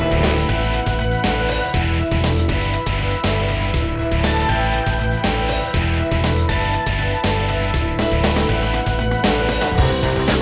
umet aku di bebek